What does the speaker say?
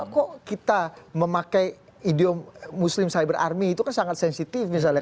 karena kita memakai ideom muslim cyber army itu kan sangat sensitif misalnya